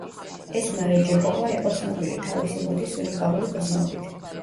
ესმა რეჯეპოვა იყო ცნობილი თავისი მოდის უნიკალური გრძნობით.